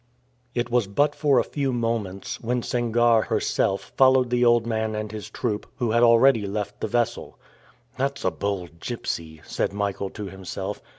It was but for a few moments, when Sangarre herself followed the old man and his troop, who had already left the vessel. "That's a bold gypsy," said Michael to himself.